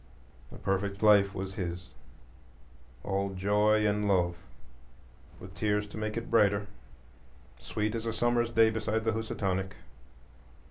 A perfect life was his, all joy and love, with tears to make it brighter,—sweet as a summer's day beside the Housatonic.